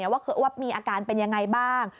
ว่ามีอาการเป็นยังไงบ้าง